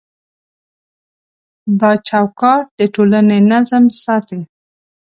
دا چوکاټ د ټولنې نظم ساتي.